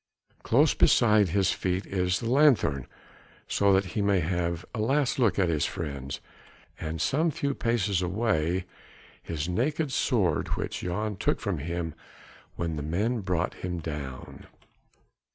Close beside his feet is the lanthorn so that he may have a last look at his friends, and some few paces away his naked sword which Jan took from him when the men brought him down.